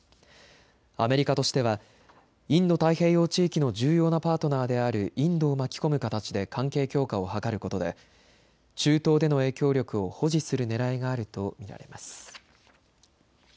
アメリカとしてはインド太平洋地域の重要なパートナーであるインドを巻き込む形で関係強化を図ることで中東での影響力を保持するねらいがあると見られます。